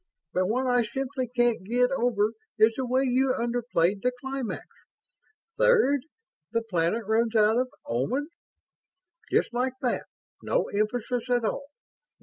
but what I simply can't get over is the way you underplayed the climax. 'Third, the planet runs out of Omans'. Just like that no emphasis at all.